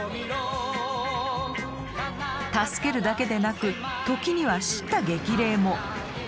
助けるだけなく時には叱咤激励も。